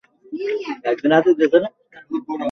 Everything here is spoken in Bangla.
এই থেকেই অনুমান করছি সমীকরণটির সমাধান আপনি করেছেন।